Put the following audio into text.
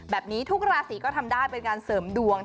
แบบนี้ทุกราศีก็ทำได้เป็นการเสริมดวง